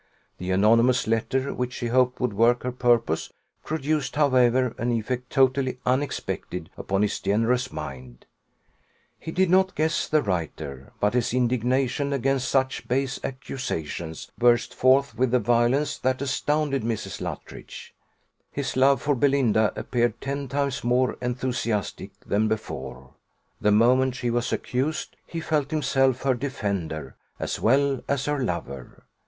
The anonymous letter, which she hoped would work her purpose, produced, however, an effect totally unexpected upon his generous mind: he did not guess the writer; but his indignation against such base accusations burst forth with a violence that astounded Mrs. Luttridge. His love for Belinda appeared ten times more enthusiastic than before the moment she was accused, he felt himself her defender, as well as her lover.